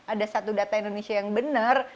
ada satu data indonesia yang benar